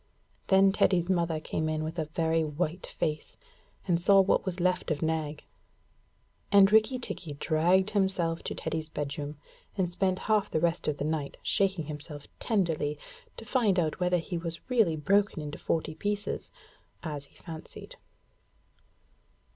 Then Teddy's mother came in with a very white face, and saw what was left of Nag, and Rikki tikki dragged himself Teddy's bedroom and spent half the rest of the night shaking himself tenderly to find out whether he really broken into forty pieces, as he fancied.